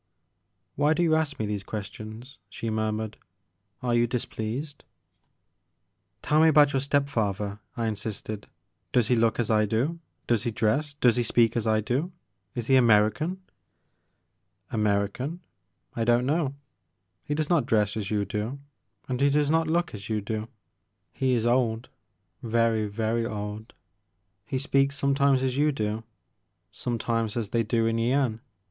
"Why do you ask me these questions, she murmured ;" are you displeased ?"Tell me about your step father, I insisted. " Does he look as I do? Does he dress, does he speak as I do ? Is he American ?"American? I don't know. He does not dress as you do and he does not look as you do. 52 TJte Maker of Moans. He is old, very, very old. He speaks sometimes as you do, sometimes as they do in Yian.